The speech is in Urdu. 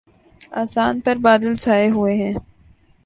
آسان پر بادل چھاۓ ہوۓ ہیں